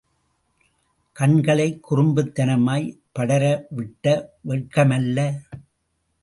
கண்களைக் குறும்புத்தனமாய் படரவிட்ட வெட்கமல்ல.